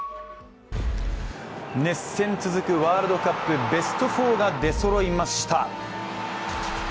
熱戦続くワールドカップベスト４が出そろいました。